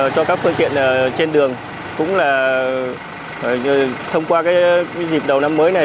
cho các phương tiện trên đường cũng là thông qua cái dịp đầu năm mới này